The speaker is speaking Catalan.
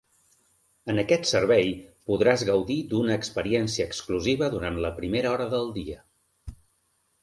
En aquest servei podràs gaudir d'una experiència exclusiva durant la primera hora del dia.